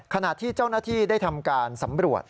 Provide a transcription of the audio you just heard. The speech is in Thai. ขณะที่เจ้าหน้าที่ได้ทำการสำรวจ